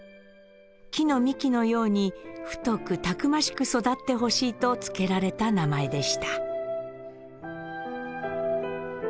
木の幹のように太くたくましく育ってほしいと付けられた名前でした。